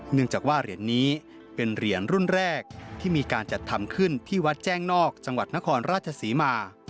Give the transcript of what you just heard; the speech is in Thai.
เนื่องจากว่าเหรียญนี้เป็นเหรียญรุ่นแรกที่มีการจัดทำขึ้นที่วัดแจ้งนอกจังหวัดนครราชศรีมา